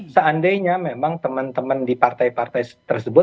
seandainya memang teman teman di partai partai tersebut menganggap pak jokowi